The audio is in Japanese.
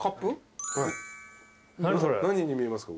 何に見えますか？